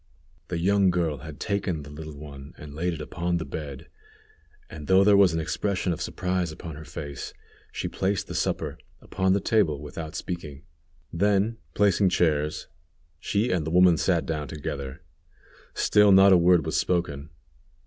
The young girl had taken the little one and laid it upon the bed, and, though there was an expression of surprise upon her face, she placed the supper upon the table without speaking. Then, placing chairs, she and the woman sat down together. Still not a word was spoken.